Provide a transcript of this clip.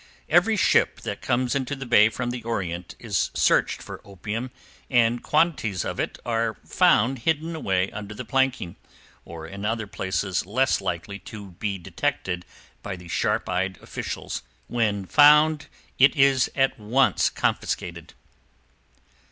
Every ship that comes into the bay from the Orient is searched for opium, and quantities of it are found hidden away under the planking, or in other places less likely to be detected by the sharp eyed officials. When found it is at once confiscated.